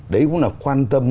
đấy cũng là quan tâm